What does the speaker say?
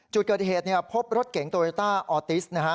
จุดเกิดเหตุพบรถเก๋งโตเวตาออร์ติสนะฮะ